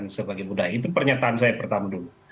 dan sebagai budaya itu pernyataan saya pertama dulu